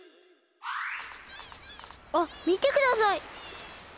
あっみてください！